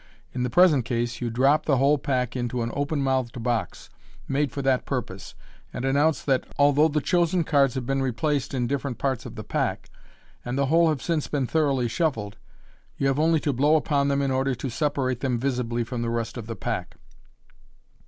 In the present case you drop the whole pack into an open mouthed box, made for that purpose, and announce that, although the chosen cards have been replaced in different parts of the pack, and the whole have since been thoroughly shuffled, you have only to blow upon them in order to separate them visibly from the rest of the pack.